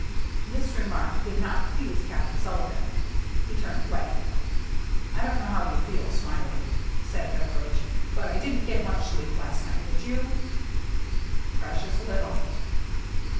This remark did not please Captain Sullivan. He turned away. " I don't know how you feel. Smiley," said THE CHASE BEGINS 237 Beveridge, " but I didn't get much sleep last night. Did you?" "Precious little."